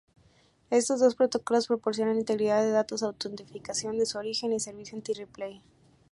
Estos dos protocolos proporcionan integridad de datos, autentificación de su origen y servicio anti-replay.